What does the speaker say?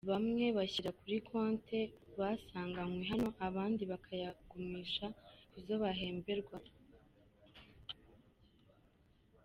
Bamwe bashyira kuri konti basanganywe hano, abandi bakayagumisha ku zo bahemberwaho.